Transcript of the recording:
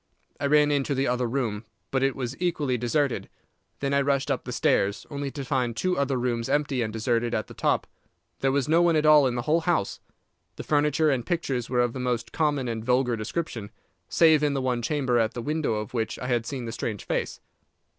I ran into the other room, but it was equally deserted. Then I rushed up the stairs, only to find two other rooms empty and deserted at the top. There was no one at all in the whole house. The furniture and pictures were of the most common and vulgar description, save in the one chamber at the window of which I had seen the strange face.